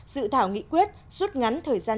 dự thảo nghị quyết rút ngắn thời gian